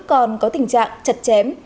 còn có tình trạng chật chém